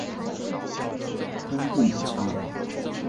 峰步美成员。